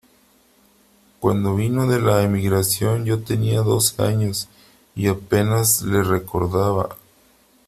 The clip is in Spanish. cuando vino de la emigración , yo tenía doce años y apenas le recordaba ...